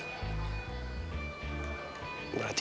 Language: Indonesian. terus ada pembahasan juga